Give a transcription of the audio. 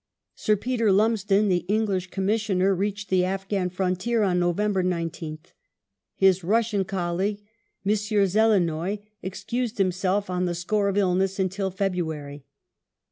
Sir Peter Lumsden, the English Commissioner, reached the Afghan frontier on November 19th. His Russian colleague, M. Zelenoi, excused himself on the score of illness until February.